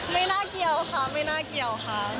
ไม่น่าเกี่ยวค่ะไม่น่าเกี่ยวค่ะ